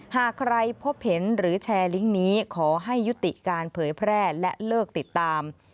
หากใครพบเห็นหรือแชร์ลิงก์นี้ขอให้ยุติการเผยแพร่และเลิกติดตาม